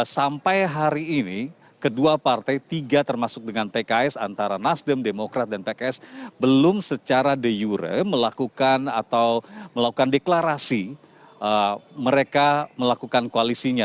sampai hari ini kedua partai tiga termasuk dengan pks antara nasdem demokrat dan pks belum secara de jure melakukan atau melakukan deklarasi mereka melakukan koalisinya